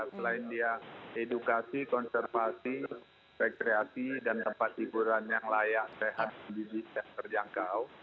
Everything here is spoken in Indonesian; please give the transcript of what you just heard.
selain dia edukasi konservasi rekreasi dan tempat hiburan yang layak sehat terjangkau